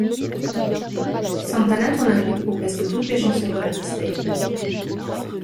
Santana tourne un clip pour presque toutes les chansons de la mixtape.